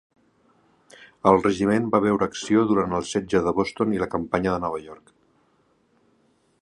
El regiment va veure acció durant el setge de Boston i la campanya de Nova York.